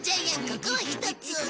ここはひとつ。